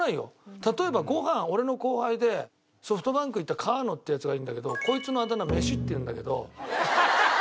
例えばご飯俺の後輩でソフトバンク行った河野ってヤツがいるんだけどこいつのあだ名「飯」っていうんだけど。